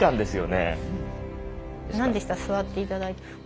なんでしたら座って頂いて。